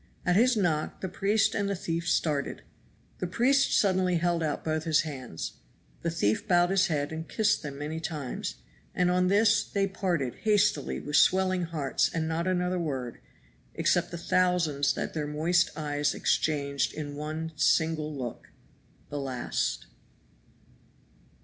At his knock the priest and the thief started. The priest suddenly held out both his hands; the thief bowed his head and kissed them many times, and on this they parted hastily with swelling hearts and not another word except the thousands that their moist eyes exchanged in one single look the last.